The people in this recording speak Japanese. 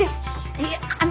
いやあの。